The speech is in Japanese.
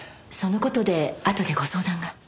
その事であとでご相談が。